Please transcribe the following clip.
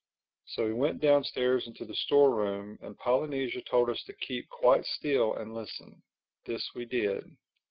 So we went downstairs into the store room and Polynesia told us to keep quite still and listen. This we did.